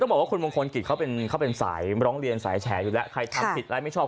ต้องบอกว่าคุณมงคลกิจเค้าเป็นสายร้องเลียงสายชาญใครทำผิดแล้วไม่ชอบ